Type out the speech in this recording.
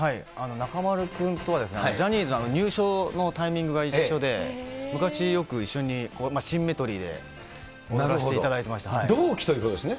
中丸君とは、ジャニーズの入所のタイミングが一緒で、昔、よく一緒にシンメトリーで、同期ということですね。